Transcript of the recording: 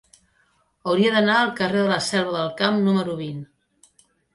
Hauria d'anar al carrer de la Selva del Camp número vint.